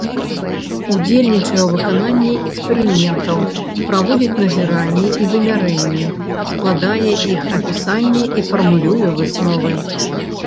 Удзельнічае ў выкананні эксперыментаў, праводзіць назіранні і вымярэнні, складае іх апісанне і фармулюе высновы.